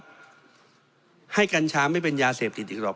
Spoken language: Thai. เพราะฉะนั้นโทษเหล่านี้มีทั้งสิ่งที่ผิดกฎหมายใหญ่นะครับ